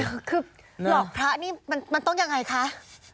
คือหลอกพระนี่มันต้องยังไงคะ